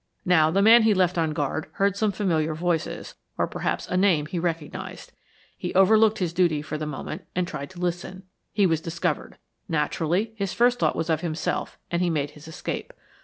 Now, the man he left on guard heard some familiar voices, or perhaps a name he recognized. He overlooked his duty for the moment and tried to listen. He was discovered. Naturally, his first thought was of himself, and he made his escape.